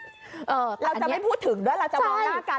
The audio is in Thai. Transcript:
เราจะไม่พูดถึงด้วยเราจะมองหน้ากัน